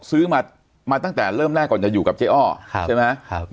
ซื้อมามาตั้งแต่เริ่มแรกก่อนจะอยู่กับเจอร์ครับใช่ไหมครับ